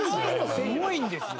すごいんですよ。